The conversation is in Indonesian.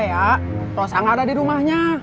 katanya rosa gak ada di rumahnya